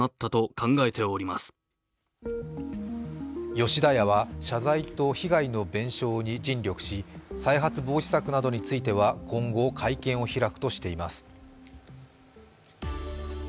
吉田屋は謝罪と被害の弁償に尽力し、再発防止策などについては今後、会見を開くとしています。